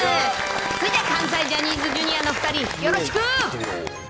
それじゃあ、関西ジャニーズＪｒ．の２人、よろしく。